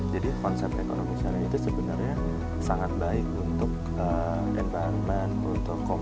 jadi konsep ekonomi syariah itu sebenarnya sangat baik untuk entusiastik